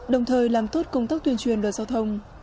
đồng thời làm tốt công tác tuyên truyền luật giao thông